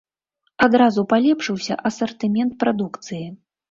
Адразу палепшыўся асартымент прадукцыі.